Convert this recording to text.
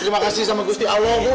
terima kasih sama gusti allah